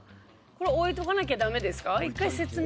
これ置いとかなきゃダメですか？